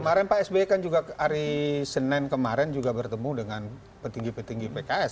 saya bayangkan juga hari senin kemarin juga bertemu dengan petinggi petinggi pks